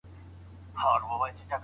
د لاس لیکنه د بصري حافظې سره مرسته کوي.